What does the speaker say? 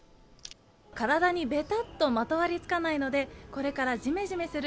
体にべたっとまとわりつかないので、これからじめじめする